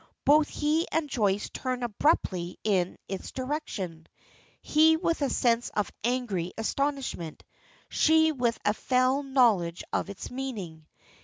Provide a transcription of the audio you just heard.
Both he and Joyce turn abruptly in its direction he with a sense of angry astonishment, she with a fell knowledge of its meaning.